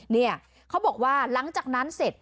เนี่ยเขาบอกว่าหลังจากนั้นเสร็จ